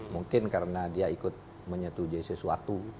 mungkin karena dia ikut menyetujui sesuatu